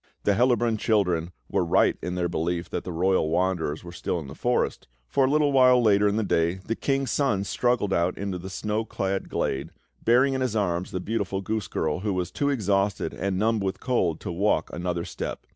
The Hellabrunn children were right in their belief that the royal wanderers were still in the forest; for, a little later in the day, the King's Son struggled out into the snow clad glade, bearing in his arms the beautiful goose girl, who was too exhausted and numbed with cold to walk another step.